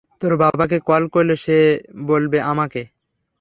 তোর বাবাকে কল করলে সে বলবে আমাকে?